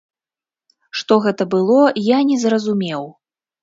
Што гэта было я не зразумеў.